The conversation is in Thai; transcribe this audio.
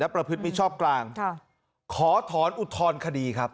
และประพฤติมิชชอบกลางค่ะขอถอนอุดถอนคดีครับ